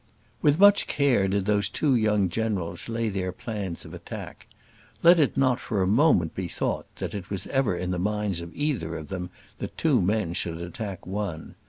With much care did those two young generals lay their plans of attack. Let it not for a moment be thought that it was ever in the minds of either of them that two men should attack one.